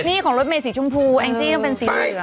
นี่ของรถเมสีชมพูแองจี้ต้องเป็นสีเหลือง